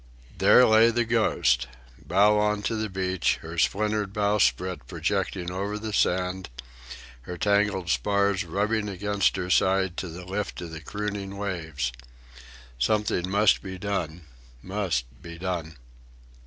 There lay the Ghost, bow on to the beach, her splintered bowsprit projecting over the sand, her tangled spars rubbing against her side to the lift of the crooning waves. Something must be done, must be done.